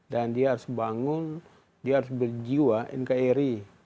dan dia harus bangun dia harus berjiwa nkri